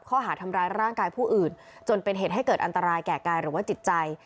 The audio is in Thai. ข้อหาทำร้ายร่างกายผู้อื่นจนเป็นเหตุให้เกิดอันตรายแก่กายหรือว่าจิตใจ